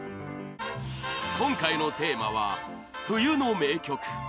今回のテーマは冬の名曲